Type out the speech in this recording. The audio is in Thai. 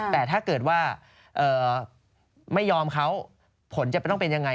แต่ถ้าเกิดว่าไม่ยอมเขาผลจะต้องเป็นยังไง